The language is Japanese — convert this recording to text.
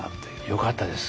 よかったです。